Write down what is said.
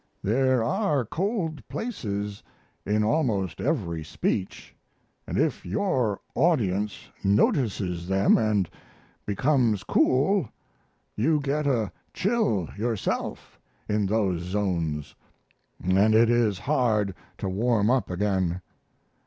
There are cold places in almost every speech, and if your audience notices them and becomes cool, you get a chill yourself in those zones, and it is hard to warm up again.